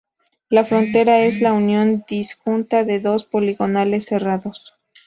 La frontera es la unión disjunta de dos poligonales cerradas.